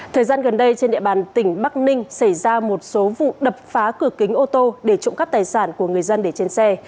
thời gian gần đây trên địa bàn tỉnh bắc ninh xảy ra một số vụ đập phá cửa kính ô tô để trộm cắp tài sản của người dân để trên xe